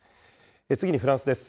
次にフランスです。